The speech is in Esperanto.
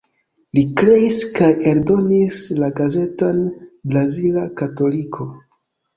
Li kreis kaj eldonis la gazeton Brazila Katoliko.